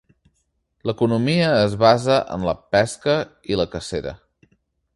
L'economia es basa en la pesca i la cacera.